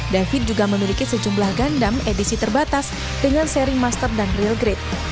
david juga memiliki sejumlah gandam edisi terbatas dengan sharing master dan real grade